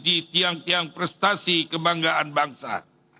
di tiang tiang prestasi kebanggaan bangsa